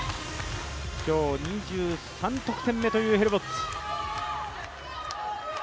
今日、２３得点目というヘルボッツ。